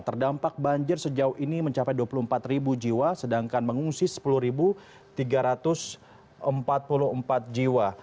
terdampak banjir sejauh ini mencapai dua puluh empat jiwa sedangkan mengungsi sepuluh tiga ratus empat puluh empat jiwa